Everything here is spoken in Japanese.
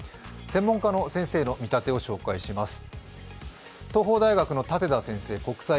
専門家の先生の見立てを紹介します。